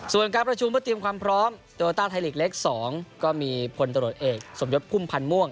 ส่วนการประชุมเพื่อเตรียมความพร้อมโยต้าไทยลีกเล็ก๒ก็มีพลตรวจเอกสมยศพุ่มพันธ์ม่วง